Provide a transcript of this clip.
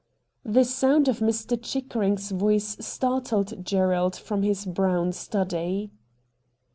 The sound of Mr. Chickering's voice startled Gerald from his brown study.